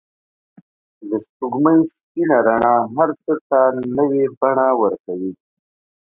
د سپوږمۍ سپین رڼا هر څه ته نوی بڼه ورکوي.